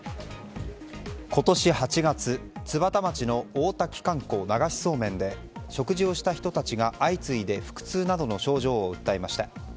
今年８月、津幡町の大滝観光流しそうめんで食事をした人たちが相次いで腹痛などの症状を訴えました。